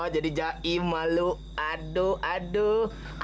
jadi jahe malu aduh aduh